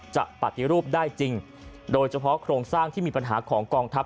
ปฏิรูปได้จริงโดยเฉพาะโครงสร้างที่มีปัญหาของกองทัพ